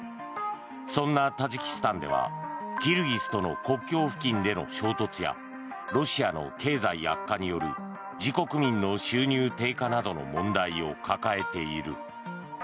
そんなタジキスタンではキルギスとの国境付近での衝突やロシアの経済悪化による自国民の収入低下などの問題を抱えている。